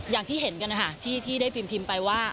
อย่างที่เห็นกันนะคะที่ได้พิมพ์ไปว่า